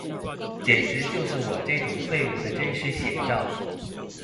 簡直就是我這種廢物的真實寫照